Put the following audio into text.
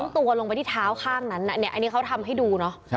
ตัวลงไปที่เท้าข้างนั้นอันนี้เขาทำให้ดูเนาะ